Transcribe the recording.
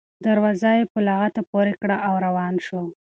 دروازه یې په لغته پورې کړه او روان شو.